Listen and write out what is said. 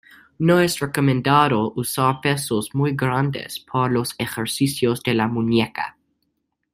No es recomendado usar pesos muy grandes para los ejercicios de la muñeca.